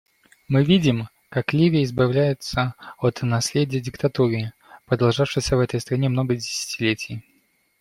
Мы видим, как Ливия избавляется от наследия диктатуры, продолжавшейся в этой стране много десятилетий.